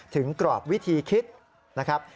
กรอบวิธีคิดนะครับ